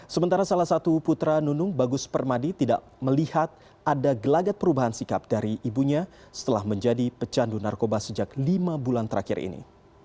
sementara salah satu putra nunung bagus permadi tidak melihat ada gelagat perubahan sikap dari ibunya setelah menjadi pecandu narkoba sejak lima bulan terakhir ini